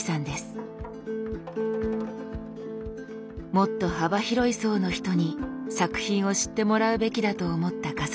「もっと幅広い層の人に作品を知ってもらうべきだ」と思った笠谷さん。